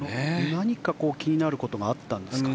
何か気になることがあったんですかね。